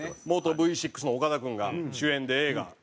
元Ｖ６の岡田君が主演で映画。